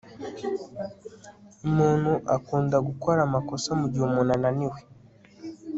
Umuntu akunda gukora amakosa mugihe umuntu ananiwe